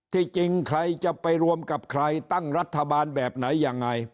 ที่จริงใครจะไปรวมกับใครตั้งรัฐบาลแบบไหนยังไง